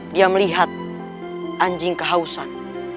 dia melihat anjing kehausan